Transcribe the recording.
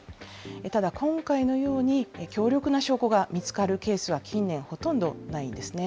ただ、今回のように、強力な証拠が見つかるケースは近年ほとんどないんですね。